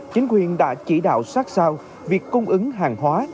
chính quyền đã chỉ đạo sát sao việc cung ứng hàng hóa